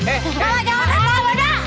mak jawabannya mah udah